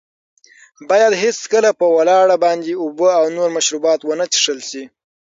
باید هېڅکله په ولاړه باندې اوبه او نور مشروبات ونه څښل شي.